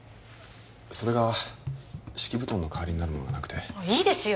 それが敷布団の代わりになるものがなくていいですよ